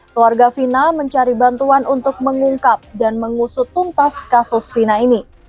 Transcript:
keluarga fina mencari bantuan untuk mengungkap dan mengusut tuntas kasus vina ini